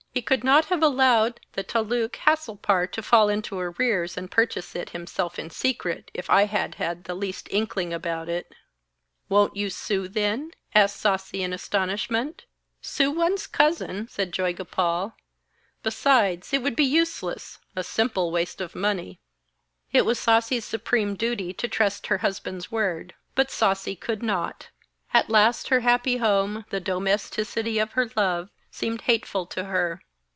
He could not have allowed the taluk Hasilpur to fall into arrears and purchase it himself in secret, if I had had the least inkling about it.' 'Won't you sue then?' asked Sasi in astonishment. 'Sue one's cousin!' said Joygopal. 'Besides, it would be useless, a simple waste of money.' It was Sasi's supreme duty to trust her husband's word, but Sasi could not. At last her happy home, the domesticity of her love seemed hateful to her.